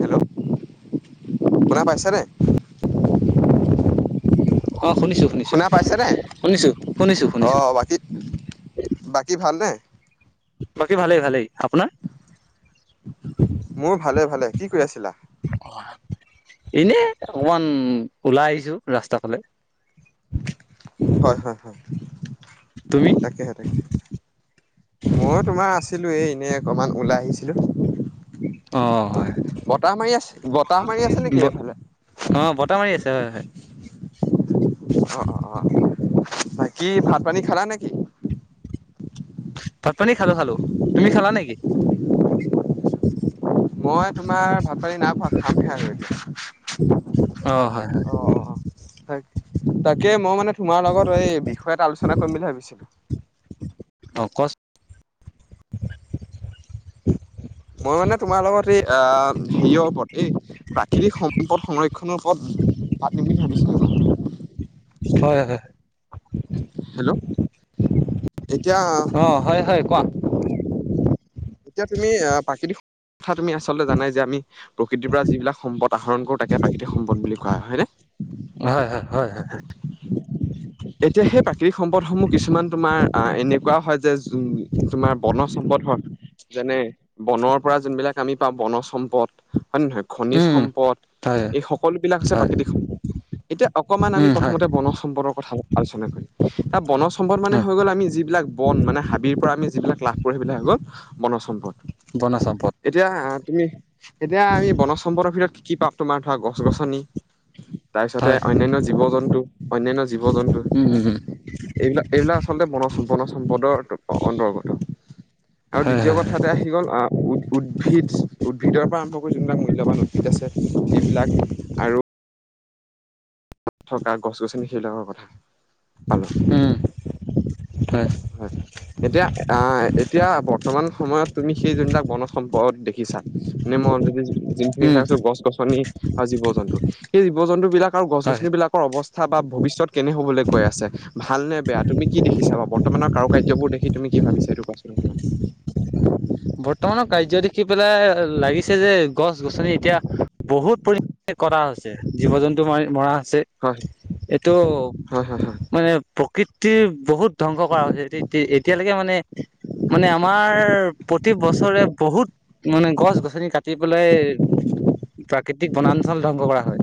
Hello শুনা পাইচা নে? অ' শুনিছোঁ শুনিছোঁ, শুনা পাইছেনে? শুনিছোঁ, শুনিছোঁ শুনিছোঁ। অ' বাকী বাকী ভালনে? বাকী ভালেই ভালেই। আপোনাৰ? মোৰ ভালে ভালেই। কি কৰি আছিলা? এনেই অকমান ওলাই আহিছোঁ ৰাস্তাৰ ফালে। হয়, হয়, হয়, তুমি তাকেহে তাকে। ময়ো তোমাৰ আছিলোঁ এই এনে অকণমান ওলাই আহিছিলোঁ। অ হয় হয়। বতাহ মাৰি আছ, বতাহ মাৰি আছে নেকি এইফালে? অ' বতাহ মাৰি আছে হয় হয়। অ', অ', অ' বাকী ভাত পানী খালা নেকি? ভাত পানী খালোঁ, খালোঁ। তুমি খালা নেকি? মই তোমাৰ ভাত পানী নাই খোৱা, খামহে আৰু এতিয়া। অ হয় হয় অ', অ'। হয়। তাকে মই মানে তোমাৰ লগত এই বিষয় এটা আলোচনা কৰিম বুলি ভাবিছিলোঁ। অ' কচ মই মানে তোমাৰ লগত এই অ' হেৰিয়া ওপৰত এই প্ৰাকৃতিক সম্পদ সংৰক্ষণৰ ওপৰত পাতিম বুলি ভাবিছিলোঁ। হয়, হয়। হেল্ল'। এতিয়া অ' হয়, হয় কোৱা। এতিয়া তুমি আ, প্ৰাকৃতিক, কথা তুমি আচলতে জানাই যে আমি প্ৰকৃতিৰ পৰা যিবিলাক সম্পদ আহৰণ কৰোঁ তাকে প্ৰাকৃতিক সম্পদ বুলি কোৱা হয়। হয়নে? হয়, হয়, হয়, হয়। এতিয়া সেই প্ৰাকৃতিক সম্পদসমূহ কিছুমান তোমাৰ আহ, এনেকুৱা হয় যে যো তোমাৰ বনজ সম্পদ হয় যেনে বনৰ পৰা যোনবিলাক আমি পাওঁ বনজ সম্পদ। হয় নে নহয়? খনিজ উম সম্পদ, হয় এই সকলোবিলাক হৈছে হয় প্ৰাকৃতিক সম্পদ। এতিয়া অকমান আমি উম হয় প্ৰথমতে বনজ সম্পৰ্দৰ কথা আলোচনা কৰিম। এ, বনজ সম্পদ মানে হয় হৈ গ'ল আমি যিবিলাক বন মানে হাবিৰ পৰা আমি যিবিলাক লাভ কৰোঁ সেইবিলাক হৈ গ'ল বনজ সম্পদ। বনজ সম্পদ। এতিয়া তুমি, এতিয়া আ, এ, বনজ সম্পদৰ ভিতৰত কি কি পাওঁ, তোমাৰ ধৰা গছ গছনি তাৰপিছতে হয় অন্যান্য জীৱ জন্তু, অন্যান্য জীৱ জন উম এইবিলাক এইবিলাক আচলতে বনজ বনজ সম্পদৰ অন্তৰ্গত। আৰু হয় দ্বিতীয় হয় হয় কথাতে আহি গ'ল আহ, উদ-উদ্ভিদ উদ্ভিদৰ পৰা আৰম্ভ যোনবিলাক মূল্যবান উদ্ভিদ আছে সেইবিলাক আৰু থকা গছ গছনি সেইবিলাকৰ কথা। পালোঁ উম, হয়। হয়। এতিয়া আ, এতিয়া বৰ্তমান সময়ত তুমি সেই যোনবিলাক বনজ সম্পদ দেখিছা নে মই অলৰেডি যোনখিনি উম কথা কৈছোঁ, গছ গছনি আৰু জীৱ জন্তু। সেই জীৱ জন্তুবিলাক আৰু গছ হয় গছনিবিলাক কৰ অৱস্থা বা ভৱিষ্যত কেনে হ'বলৈ গৈ আছে, ভাল নে বেয়া, তুমি কি দেখিছা বা বৰ্তমানৰ কাৰু কাৰ্যবোৰ দেখি তুমি কি ভাবিছা এইটো কোৱাচোন অকমান। বৰ্তমানৰ কাৰ্য দেখি পেলাই লাগিছে যে গছ গছনি এতিয়া বহুত পৰি কটা হৈছে, জীৱ জন্তু মাৰি মৰা হৈছে। হয় এইটো হয় হয় হয় মানে প্ৰকৃত প্ৰকৃতিৰ বহুত ধ্বংস কৰা হৈছে, এতি তি এতিয়ালৈকে মানে মানে আমাৰ প্ৰতি বছৰে বহুত মানে গছ-গছনি কাটি পেলাই প্ৰাকৃতিক বনাঞ্চল ধ্বংস কৰা হয়।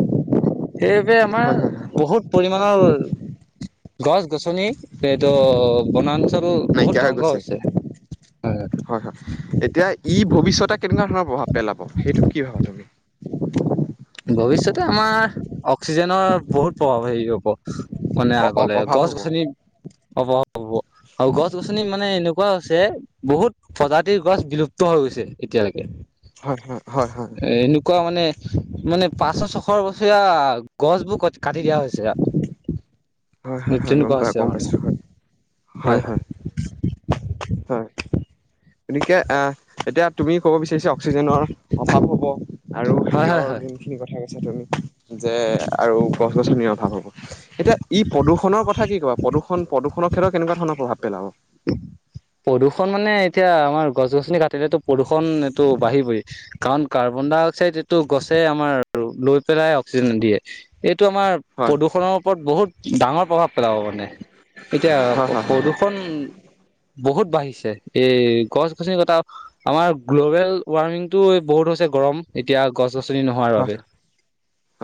সেইবাবে আমাৰ হয় হয় হয় বহুত পৰিমাণৰ গছ-গছনি, এইটো বনাঞ্চল বহুত নাইকিয়া হৈ ধ্বংস গৈছে হৈছে, হয়, হয়। হয়, হয়। এতিয়া ই ভৱিষ্যতে কেনেকুৱা ধৰণৰ প্ৰভাৱ পেলাব? সেইটো কি ভাবা তুমি? ভৱিষ্যতে আমাৰ অক্সিজেনৰ বহুত প্ৰভাৱ, হেৰি হ'ব। মানে অ অ আগলে অভাৱ হ'ব গছ-গছনি হ'ব হ'ব, আৰু গছ-গছনি মানে এনেকুৱা হৈছে, বহুত প্ৰজাতিৰ গছ বিলুপ্ত হৈ গৈছে, এতিয়ালৈকে। হয়, হয়। হয়, হয়। এ এনেকুৱা মানে মানে পাঁচশ, ছয়শ বছৰীয়া গছ বোৰ কট কাটি দিয়া হৈছে ইয়াত। হয় হয় সেই হয় গম তেনেকুৱা পাই হৈছে আৰু গম মানে। পাইছো হয়, হয়। হয়। গতিকে, আ এতিয়া তুমি ক'ব বিচাৰিছা অক্সিজেনৰ অভাৱ হ'ব। আৰু [unintelligible] হয় হয় হয় হয় খিনি কথাই কৈছা তুমি যে, আৰু গছ-গছনিৰ অভাৱ হ'ব। এতিয়া ই প্ৰদূষণৰ কথা কি ক'বা? প্ৰদূষণ প্ৰদূষৰ ক্ষেত্ৰত কেনেকুৱা ধৰণৰ প্ৰভাৱ পেলাব? প্ৰদূষণ মানে এতিয়া আমাৰ গছ-গছনি কাটিলেটো প্ৰদূষণ এইটো বাঢ়িবই। কাৰণ কাৰ্বন-ডাই-অক্সাইড এইটো গছে আমাৰ ল' লৈ পেলাই অক্সিজেন দিয়ে। এইটো আমাৰ হয় প্ৰদূষণৰ ওপৰত বহুত ডাঙৰ প্ৰভাৱ পেলাব মানে। এতিয়া হয় প হয় হয় প্ৰদূষণ বহুত বাঢ়িছে, এই গছ-গছনি কটা আমাৰ গ্ল'বেল ৱাৰ্মিংটো বহুত হৈছে, গৰম এতিয়া গছ-গছনি নোহোৱাৰ বাবে।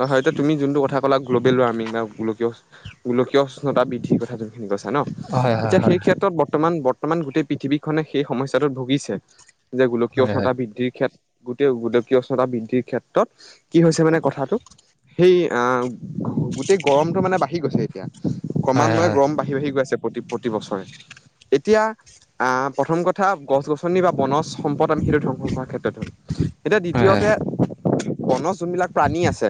অ, হয়টো তুমি যোনটো কথা ক'লা, গ্ল'বেল ওৱাৰ্মিং, গোলকীয় উষ্ণ গোলকীয় উষ্ণতা বৃদ্ধিৰ কথা যোনখিনি কৈছে ন? হয় হয় এতিয়া সেই ক্ষেত্ৰত বৰ্তমান বত বৰ্তমান গোটেই পৃথিৱীখনে সেই সমস্যাটোত ভুগিছে। যে গোলকীয় হয় হয় উষ্ণতা বৃদ্ধিৰ ক্ষেত্ৰত গোটেই গোলকীয় উষ্ণতা বৃদ্ধিৰ ক্ষেত্ৰত, কি হৈছে মানে কথাটো সেই আ গোটেই গৰমটো মানে বাঢ়ি গৈছে এতিয়া। হয় ক্ৰমান্বয়ে হয় গৰম বাঢ়ি বাঢ়ি বাঢ়ি গৈ আছে প্ৰতি প্ৰতি বছৰ। এতিয়া আ প্ৰথম কথা গছ-গছনি বা বনজ সম্পদ আমি সেইটো ধ্বংস কৰাৰ ক্ষেত্ৰত এতিয়া হয় দ্বিতীয়তে বনজ যোনবিলাক প্ৰাণী আছে।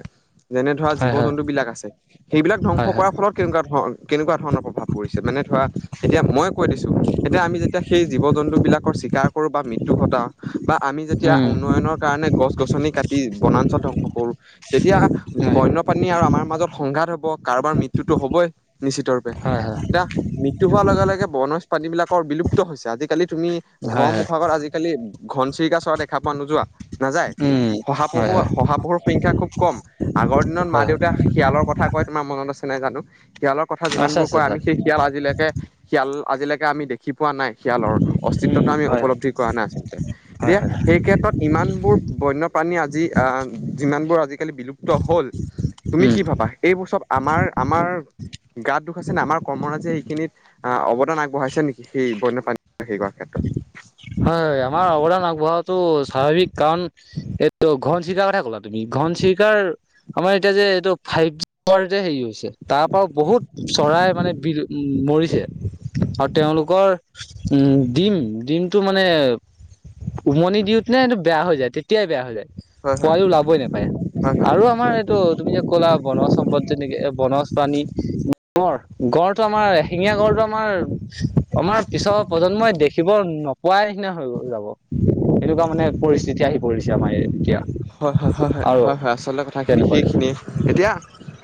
যেনে ধৰা, হয় হয় জীৱ-জন্তু বিলাক আছে, সেইবিলাক ধ্বংস হয় হয় হয় কৰাৰ ফলত কেনেকুৱা ধৰ কেনেকুৱা ধৰণৰ প্ৰভাৱ পৰিছে? মানে ধৰা এতিয়া মই কৈ দিছো, এতিয়া আমি যেতিয়া সেই জীৱ-জন্তু বিলাকৰ চিকাৰ কৰোঁ, বা মৃত মৃত্যু ঘটাও বা আমি যেতিয়া উম উন্নয়নৰ কাৰণে গছ-গছনি কাটি বনাঞ্চল ধ্বংস কৰোঁ। তেতিয়া হয় বন্যপ্ৰাণী আৰু আমাৰ মাজত সংঘাত হ'ব, কাৰোবাৰ মৃত্যুতো হ'বই। নিশ্চিত ৰূপে হয় হয় এতিয়া মৃত্যু হোৱাৰ লগে লগে বনজ প্ৰানী বিলাকৰ বিলুপ্ত হৈছে আজিকালি তুমি ঘৰ হয় হয় মুখ আগত আজিকালি ঘনচিৰিকা চৰাই দেখা পোৱা নোযোৱা নাযাই উম হয় শহাপহু হয় শহাপহুৰ সংখ্যা খুব কম আগৰ দিনত মা হয় দেউতা শিয়ালৰ কথা কই তোমাৰ মনত আছে নাই জানো শিয়ালৰ কথা হয় আছে যিমানবোৰ আছে কই আমি ছাৰ সেই শিয়াল আজিলৈকে শিয়াল আজিলৈকে আমি দেখি পোৱা নাই। শিয়ালৰ উম অস্তিত্বটো আমি হয় উপলব্ধি কৰা নাই আচলতে হয় এতিয়া হয় সেই ক্ষেত্ৰত ইমানবোৰ বন্য প্ৰানী আজি আ যিমানবোৰ আজিকালি বিলুপ্ত হল। তুমি উম কি ভাবা এইবোৰ চব আমাৰ আমাৰ গাত দুষ আছে নে আমাৰ কৰ্মৰাজিয়ে সেইখিনিত আ অৱদান আগবঢ়াইছে নেকি সেই বন্যপ্ৰাণীৰ হেই কৰাৰ ক্ষেত্ৰত হয় আমাৰ অৱদান আগবঢ়োৱাটো স্বাভাৱিক কাৰণ এইটো ঘন চিৰিকাৰ কথা ক'লা তুমি ঘন চিৰিকাৰ আমাৰ এতিয়া যে এইটো ফাইভ জি হেৰি হৈছে তাৰ পৰাও বহুত চৰাই মানে বিলু উ মৰিছে আৰু তেওঁলোকৰ উম ডিম ডিমটো মানে উমনি দিওঁত নে এইটো বেয়া হৈ যায় তেতিয়াই বেয়া হৈ যায় হয় হয় পোৱালি উলাবই নাপায় হয় হয়। আৰু আমাৰ এইটো তুমি যে ক'লা বনজ সম্পদ যেনেকে বনজ প্ৰাণী গঁড় গঁড়টো আমাৰ এশিঙীয়া গঁড়টো আমাৰ আমাৰ পিছৰ প্ৰজন্মই দেখিব নোপোৱা নিচিনা হৈ যাব। এনেকুৱা মানে পৰিস্থিতি আহি পৰিছে আমাৰ এতিয়া হয় হয় হয় হয় আৰু হয় হয় আচলতে কথাখিনি তেনেকুৱাৰে হয় সেইখিনিয়ে এতিয়া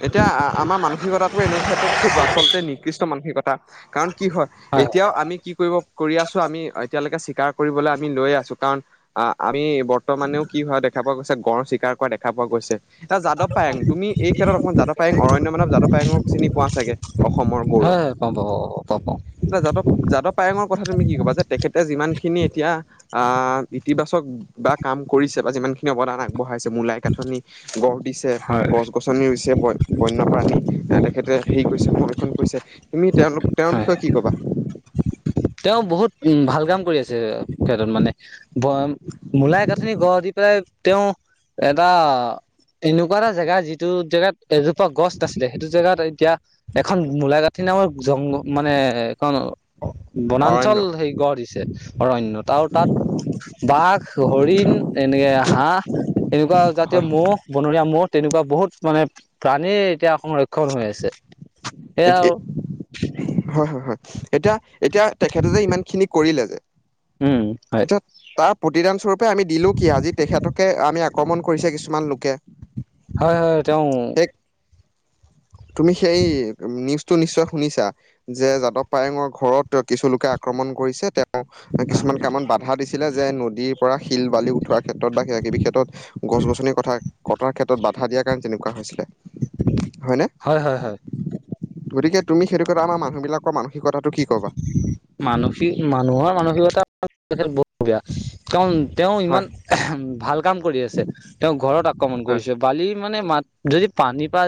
এতিয়া আমাৰ মানসিকতাটো এনেকুৱা ক্ষেত্ৰত খুব আচলতে নিকৃষ্ট মানসিকতা কাৰণ কি হয় এতিয়াও আমি কি কৰিব কৰি আছোঁ আমি এতিয়ালৈকে চিকাৰ কৰিবলৈ আমি লৈয়ে আছো কাৰণ আ আমি বৰ্তমানেও কি হোৱা দেখ খা পোৱা গৈছে গঁড় চীকাৰ কৰা দেখা পোৱা গৈছে অ যাদৱ পায়েঙ তুমি এই ক্ষেত্ৰত অকমান যাদৱ পায়েঙ অৰণ্য মানৱ যাদৱ পায়েঙক চিনি পোৱা চাগে অসমৰ হয় হয় পাওঁ পাওঁ প প পাওঁ পাওঁ নয় যাদৱ যাদৱ পায়ঙৰ কথা তুমি কি ক'বা যে তেখেতে যিমানখিনি এতিয়া আ ইতিবাচক বা কাম কৰিছে বা যিমানখিনি অৱদান আগবঢ়াইছে মূলাই কাঠনি গঢ় দিছে হয় গছ গছ নি ৰুইছে ব বন্যপ্ৰাণী তেখেতে হেৰি কৰিছে সংৰক্ষণ কৰিছে তুমি তেওঁলোক তেওঁৰ হয় বিষয়ে কি ক'বা তেওঁ বহুত উ ভাল কাম কৰি আছে ক্ষেত্ৰত মানে মূলাই কাঠনি গঢ় দি পেলাই তেওঁ এটা এনেকুৱা এটা জেগা যিটো জেগাত এজোপা গছ নাছিলে সেইটো জেগাত এতিয়া এখন মূলাই কাঠনি নামৰ জংগ মানে এখন অৰণ্য বনাঞ্চল সেই গঢ় দিছে অৰণ্যত আৰু তাত বাঘ, হৰিণ, এনেকে হাঁহ এনেকুৱা জাতীয় হয় ম'হ বনৰীয়া মহ তেনেকুৱা বহুত মানে প্ৰাণীৰ এতিয়া সংৰক্ষণ হৈ আছে হয় সেয়া এতিয়া আৰু হয় হয় হয় এতিয়া এতিয়া তেখেতে যে ইমান খিনি কৰিলে যে উম হয় এতিয়া তাৰ প্ৰতিদান স্বৰূপে আমি দিলো কি আজি তেখেতকে আমি আক্ৰমণ কৰিছে কিছুমান লোকে হয় হয় তেওঁ সেই তুমি সেই নিউজ টো নিশ্চয় শুনিছা যে যাদৱ পায়েঙৰ ঘৰত কিছু লোকে আক্ৰমণ কৰিছে তে তেওঁ কিছুমান কামত বাধা দিছিলে যে নদীৰ পৰা শিল বালি উঠোৱাৰ ক্ষেত্ৰত বা কিবা কিবি ক্ষেত্ৰত গছ-গছনি কথা কটাৰ ক্ষেত্ৰত বাধা দিয়াৰ কাৰণে তেনেকুৱা হৈছিলে হয়নে হয় হয় হয় গতিকে তুমি সেইটো কথা আমাৰ মানুহবিলাকৰ মানসিকতাটো কি ক'বা মানসিক মানুহৰ মানসিকতা বহুত বেয়া কাৰণ তেওঁ ইমান হয় ভাল কাম কৰি আছে তেওঁৰ ঘৰত আক্ৰমণ হয় কৰিছে বালি মানে মাত যদি পানীপা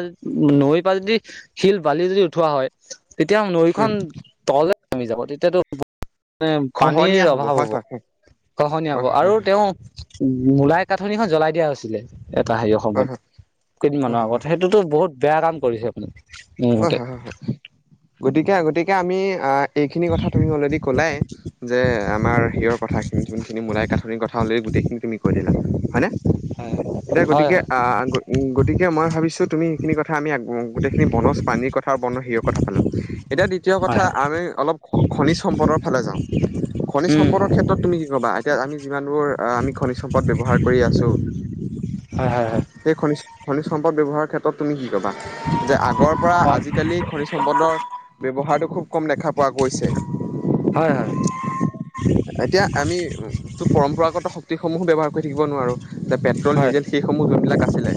নৈপা যদি শিল বালি যদি উঠোৱা হয় তেতিয়া নৈখন উম তললে নামি যাব তেতিয়াতো নে পানীৰ খহনীয়া অভাৱ হয় হ'ব হয় গহনীয়া হব হয় আৰু হয় তেওঁ মূলাই কাঠনিখন জ্বলাই দিয়া হৈছিলে তাৰ হেৰিঅ হয় হয় হয় সময়ত হয় হয় কেইদিনমানৰ হয় আগত সেইটোতো বহুত বেয়া কাম কৰিছে আপুনি মোৰ হয় মতে হয় হয় হয় গতিকে আগতীয়াকে আমি আহ এইখিনি কথা তুমি অলৰেডি কলাই যে আমাৰ হিৰৰ কথাখিনি যোনখিনি মোলাই কাঠনিৰ কথা অলৰেডি গোটেইখিনি তুমি কৈ দিলা হয় নে এতিয়া হয় গতিকে আ উম গতিকে মই ভাবিছো তুমি সেইখিনি কথা আমি আ গোটেইখিনি বনজ পানীৰ কথা বন হিয়ৰ কথা পালো এতিয়া দ্বিতীয় কথা হয় আমি অলপ খ খনিজ সম্পদৰ ফালে যাওঁ খনিজ উম সম্পদৰ ক্ষেত্ৰত তুমি কি ক'বা এতিয়া যিমান বোৰ আমি খনিজ সম্পদ ব্যবহাৰ কৰি আছো হয় হয় হয় সেই খনিজ খনিজ সম্পদ ব্যৱহাৰৰ ক্ষেত্ৰত তুমি কি কবা যে আগৰ পৰা আজিকালি খনিজ সম্পদৰ ব্যৱহাৰটো খুব কম দেখা পোৱা গৈছে হয় হয় এতিয়া আমি টো পৰম্পৰাগত শক্তিসমূহো ব্যৱহাৰ কৰি থাকিব নোৱাৰো যে পেট্ৰল হয় ডিজেল সেইসমূহ যোনবিলাক আছিলে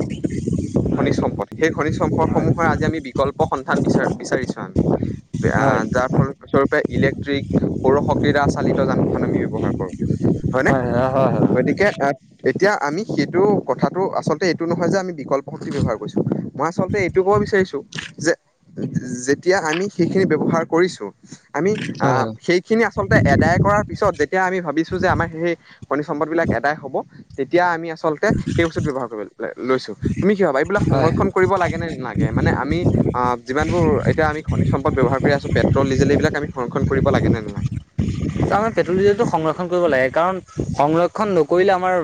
হয় খনিজ সম্পদ সেই খনিজ হয় সম্পদসমূহৰ আজি আমি বিকল্প সন্ধান বিচাৰ বিচাৰিছো আমি এ হয় যাৰ ফল স্বৰূপে ইলেক্ট্ৰিক সৌৰশক্তি ৰা চালিত ত যান আমি ব্যৱহাৰ কৰো হয় হয় হয় হয়নে হয় গতিকে এ এতিয়া আমি সেইটো কথাটো আচলতে এইটো নহয় যে আমি বিকল্ ব্যৱহাৰ কৰিছো মই আচলতে এইটো কব বিচাৰিছো যে যেতিয়া আমি সেইখিনি ব্যৱহাৰ কৰিছো আমি হয় আহ সেইখিনি আচলতে এডায় পিছত যেতিয়া আমি ভাবিছো যে আমাৰ সেই খনিজ সম্পদ বিলাক এদাই হব তেতিয়া আমি আচ আচলতে সেই বস্তুত ব্যৱহাৰ কৰি লৈ লৈছো তুমি কি ভাবা এইবিলাক হয় হয় সংৰক্ষণ কৰিব লাগে নে নালাগে মানে আমি আ যিমানবোৰ এতিয়া আমি খনিজ সম্পদ ব্যৱহাৰ কৰি আছো পেট্ৰল ডিজেল এইবিলাক আমি সংৰক্ষণ কৰিব লাগেনে নালাগে আমাৰ পেট্ৰল ডিজেলটো সংৰক্ষণ কৰিব লাগে কাৰণ সংৰক্ষণ নক কৰিলে আমাৰ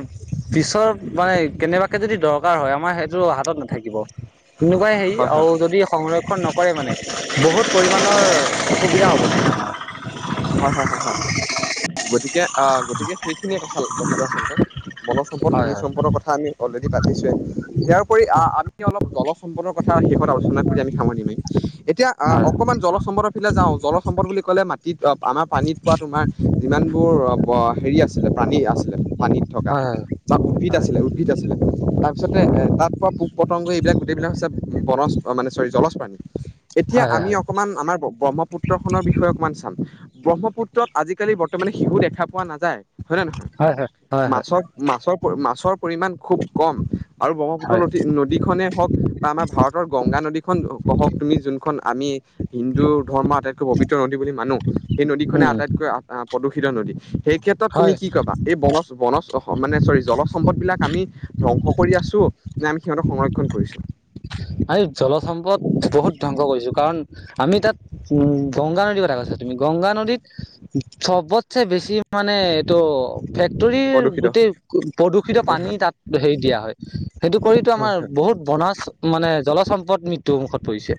পিছৰ মানে কেনেবাকে যদি দৰকাৰ হয় আমাৰ সেইটো হাতত নাথাকিব তেনেকুৱাই হেই হয় হয় আৰু যদি সংৰক্ষণ নকৰে মানে বহুত পৰিমাণৰ অসুবিধা হ'ব মানে আমাৰ হয় হয় হয় হয় হয় গতিকে আ গতিকে সেইখিনিয়ে কথাল কথাটো আচলতে বনজ সম্পদ হয় খনিজ সম্পদৰ কথা আমি অলৰেডি পাতিছোৱে ইয়াৰওপৰি আ আমি অলপ জল সম্পদৰ কথা শেষত আলোচনা কৰি আমি সামৰণি মাৰিম এতিয়া আ অকমান জলচ সম্পদ ফালে যাওঁ জলচ বুলি ক'লে মাটিত আমাৰ পানীত পোৱা তোমাৰ যিমানবোৰ ব হেৰি আছিলে প্ৰাণী আছিলে পানীত হয় থকা হয় বা উদ্ভিদ আছিলে উদ দ্ভিদ আছিলে তাৰপিছতে তাত পোৱা পোক পতংগ এইবিলাক গোটেইবিলাক হৈছে বনজ মানে চৰি জলজ প্ৰানী এতিয়া হয় আমি হয় অকমান আমাৰ ব্ৰ ব্ৰহ্মপুত্ৰ খনৰ বিষয়ে অকমান চাম ব্ৰহ্মপুত্ৰত আজিকালি বৰ্তমান শিহু দেখা পোৱা নাযায় হয় নে নহয় হয় হয় হয় হয় মাছক মাছৰ মাছৰ পৰিমাণ খুব কম আৰু ব্ৰহ্মপুত্ৰ হয় নদী নদীখনে হওক বা আমাৰ ভাৰতৰ গংগা নদীখন হহক তুমি যোনখন আমি হিন্দু ধৰ্মৰ আটাইতকৈ পবিত্ৰ নদী বুলি মানো সেই নদীখনে উম আটাইতকৈ আ আ প্ৰদূষিত নদী সেই ক্ষেত্ৰত তুমি হয় কি কবা এই বনজ বনজ অ মানে চৰি জলজ সম্পদ বিলাক আমি ধ্বংস কৰি আছো। যে আমি সিহঁতক সংৰক্ষণ কৰিছোঁ। আমি জলজ সম্পদ বহুত ধ্বংস কৰিছোঁ কাৰণ আমি তাত উমঁ' গংগা নদীৰ কথা কৈছা তুমি, গংগা নদীত চবতছে বেছি মানে এইটো ফেক্টৰীৰ প্ৰদূষিত গোটেই হয় প্ৰদূষিত হয় পানী হয় তাত হেৰি দিয়া হয়। সেইটো কৰিতো হয় আমাৰ বহুত বনাছ মানে জলসম্পদ মৃতু মুখত পৰিছে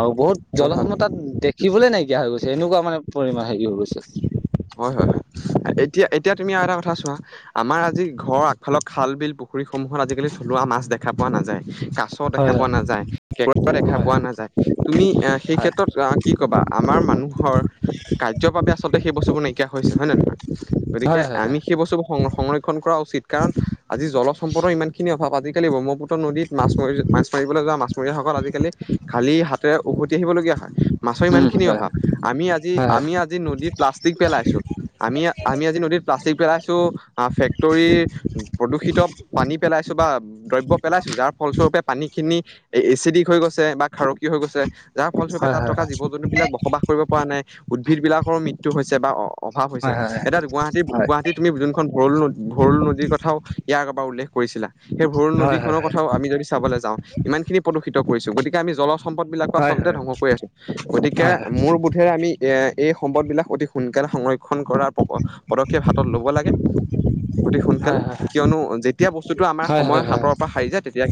আৰু বহুত হয় হয় জলজ সম্পদ তাত দেখিবলৈ নাইকিয়া হৈ গৈছে এনেকুৱা মানে পৰিমাণ হেৰি হৈ গৈছে। [unintelligible] হয়-হয়-হয়, এতিয়া, এতিয়া তুমি আৰু এটা কথা চোৱা আমাৰ আজি ঘৰৰ আগফালৰ খাল-বিল পুখুৰীসমূহত আজিকালি থলুৱা মাছ দেখা পোৱা নাযায় কা ছ দেখা হয় পোৱা নাযায়, কেকুৰাও দেখা হয়। পোৱা নাযায়। তুমি এ, সেই হয় ক্ষেত্ৰত অ, কি কবা আমাৰ মানুহৰ কা ৰ্য্য বাবে আচলতে সেই বস্তুবোৰ নাইকিয়া হৈছে হয় নে নহয়। গতিকে হয় হয় হয় আমি সেইস্তুবোৰ সং সংৰক্ষণ কৰা উচিত কাৰণ আজি জলসম্পদ ইমান খিনি অভাৱ, আজিকালি ব্ৰহ্মপুত্ৰ নদীত মাছ মাৰি মাছ মাৰিবলৈ যোৱা মাছমৰীয়াসকল আজিকালি খালি হাতেৰে উভতি আহিবলগীয়া হয়। মাছৰ উম ইমানখিনি হয় অভাৱ, আমি আজি হয় আমি আজি নদীত প্লাষ্টিক পেলাইছোঁ। আমি আমি আজি নদীত প্লাষ্টিক পেলাইছোঁ, ফেক্টৰীৰ প্ৰদূষিত পানী পেলাইছো বা দ্ৰব্য পেলাইছো যাৰ ফলস্বৰূপে পানীখিনি এ এচিডিক হৈ গৈছে বা খাৰ কিয় হৈ গৈছে। যাৰ ফলস্বৰূপে হয় তাত হয় থকা জীৱ-জন্তুবিলাক বসবাস কৰিব পৰা নাই, উদ্ভিদ বিলাক ৰ মৃত্যু হৈছে বা অভাৱ হৈছে। হয় হয় এতিয়া গুৱাহাটী গুৱাহাটী তুমি যোন ভৰল, ভৰুল নদীৰ কথাও ইয়াৰ আগৰবাৰ উল্লেখ কৰিছিলা। সেই ভৰুল নদী হয় হয় হয় হয় হয় হয় হয় হয় হয় খনৰ কথাও আমি যদি চাবলে যাওঁ ইমান খিনি প্ৰদূষিত কৰিছোঁ গতিকে আমি জলজ সম্পদ বিলাকো আচলতে ধ্বংস কৰি আছোঁ। গতিকে মোৰ বোধেৰে আমি এ এই সম্পদ বিলাক অতি সোনকালে সংৰক্ষণ কৰাৰ পদক্ষেপ হাতত ল'ব লাগে- অতি হয় সোনকালে। কিয়নো যেতিয়া বস্তুটো আমাৰ হয় হয় সময়ৰ হয় হাতৰ পৰা সাৰি যায় তেতিয়া